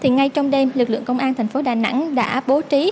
ngay trong đêm lực lượng công an thành phố đà nẵng đã bố trí